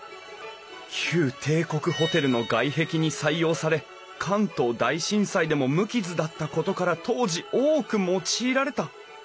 旧帝国ホテルの外壁に採用され関東大震災でも無傷だったことから当時多く用いられた。